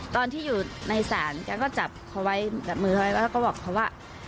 ตอนที่อยู่ในศาลแกก็จับเขาไว้จับมือเขาไว้แล้วก็บอกเขาว่า